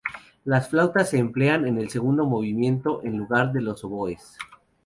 Las flautas se emplean en el segundo movimiento en lugar de los oboes.